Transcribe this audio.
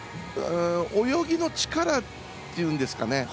泳ぎの力というんですかね